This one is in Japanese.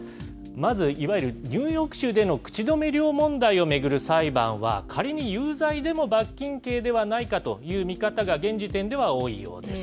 まず、いわゆるニューヨーク州での口止め料問題を巡る裁判は、仮に有罪でも罰金刑ではないかという見方が現時点では多いようです。